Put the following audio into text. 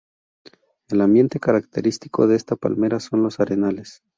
El ambiente característico de esta palmera son los arenales.